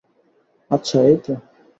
আচ্ছা, এই তো।